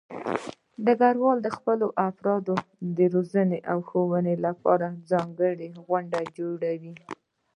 ډګروال د خپلو افرادو د روزنې او لارښودنې لپاره ځانګړې غونډې جوړوي.